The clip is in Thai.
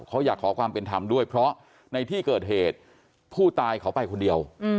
เขาอยากขอความเป็นธรรมด้วยเพราะในที่เกิดเหตุผู้ตายเขาไปคนเดียว